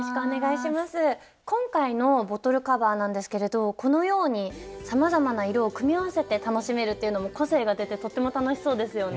今回のボトルカバーなんですけれどこのようにさまざまな色を組み合わせて楽しめるっていうのも個性が出てとっても楽しそうですよね。